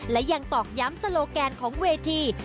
และยังตอกย้ำสโลแกนของเวที